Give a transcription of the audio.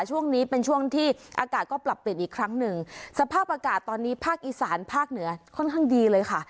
ช่วงนี้เป็นช่วงที่อากาศก็ปรับเปลี่ยนอีกครั้งหนึ่งสภาพอากาศตอนนี้ภาคอีสานภาคเหนือค่อนข้างดีเลยค่ะ